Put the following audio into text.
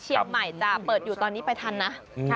เชียงใหม่จะเปิดอยู่ตอนนี้ไปทันนะ